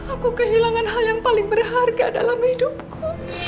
aku kehilangan hal yang paling berharga dalam hidupku